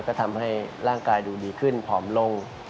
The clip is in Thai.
ก็ทำให้ร่างกายดูดีขึ้นผอมลง